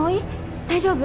大丈夫！？